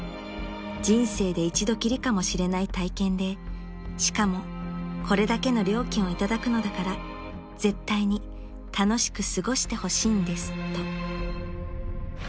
［「人生で一度きりかもしれない体験でしかもこれだけの料金を頂くのだから絶対に楽しく過ごしてほしいんです」と］